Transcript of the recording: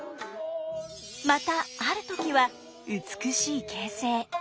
またある時は美しい傾城。